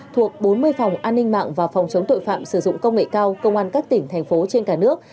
thuộc bốn mươi phòng an ninh mạng và phòng chống tội phạm sử dụng công nghệ cao công an các tỉnh thành phố trên cả nước